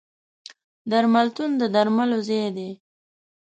درملتون د درملو ځای دی.